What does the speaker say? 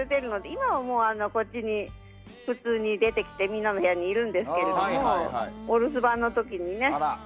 今はこっちに普通に出てきてみんなの部屋にいるんですけれどもお留守番の時にね。